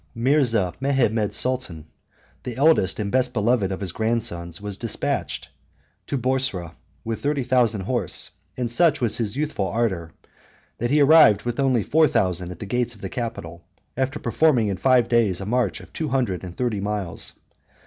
Mirza Mehemmed Sultan, the eldest and best beloved of his grandsons, was despatched to Boursa, with thirty thousand horse; and such was his youthful ardor, that he arrived with only four thousand at the gates of the capital, after performing in five days a march of two hundred and thirty miles.